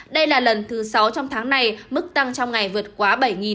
đây là lần thứ sáu trong tháng này mức tăng trong ngày vượt quá bảy